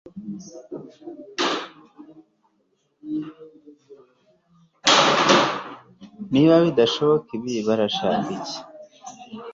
niba badashaka ibi, barashaka iki